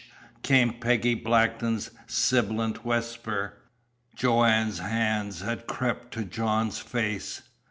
came Peggy Blackton's sibilant whisper. Joanne's hands had crept to John's face.